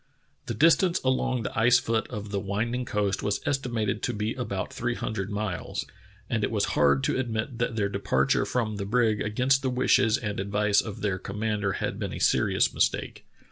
The distance along the ice foot of the winding coast was estimated to be about three hundred miles, and it was hard to admit that their departure from the brig against the wishes and advice of their commander had been a serious mistake.